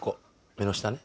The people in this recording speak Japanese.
目の下ね。